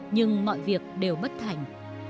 nhưng mọi việc đều bất thành